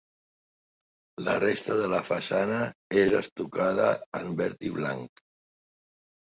La resta de la façana és estucada en verd i blanc.